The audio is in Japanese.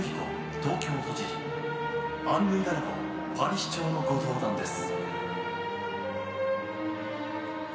東京都知事アンヌ・イダルゴパリ市長の、ご登壇です。